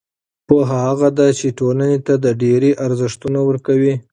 پوهه هغه څه ده چې ټولنې ته د ډېری ارزښتونه ورکوي.